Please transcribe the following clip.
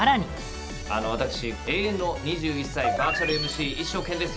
あの私永遠の２１歳バーチャルＭＣ一翔剣です。